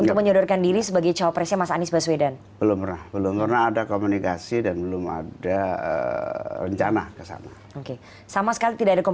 kabarnya anda sudah intens berkomunikasi dengan petinggi partai nasdem